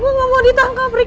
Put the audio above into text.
gue gak mau ditangkap